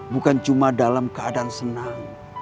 bukan cuma dalam keadaan senang